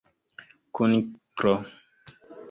kuniklo